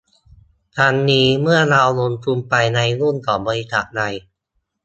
ทั้งนี้ เมื่อเราลงทุนไปในหุ้นของบริษัทใด